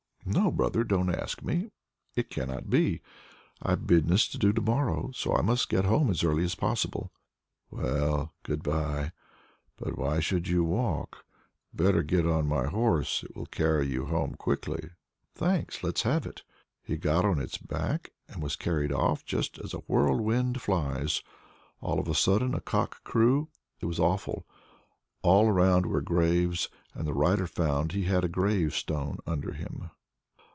"No, brother! don't ask me; it cannot be. I've business to do to morrow, so I must get home as early as possible." "Well, good bye! but why should you walk? Better get on my horse; it will carry you home quickly." "Thanks! let's have it." He got on its back, and was carried off just as a whirlwind flies! All of a sudden a cock crew. It was awful! All around were graves, and the rider found he had a gravestone under him!